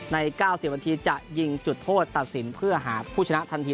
๙๐นาทีจะยิงจุดโทษตัดสินเพื่อหาผู้ชนะทันที